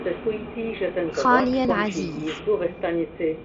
خالي العزيز